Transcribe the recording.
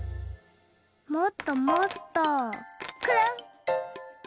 もっともっとくるん。